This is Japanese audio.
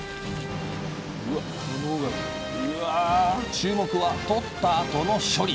注目はとったあとの処理。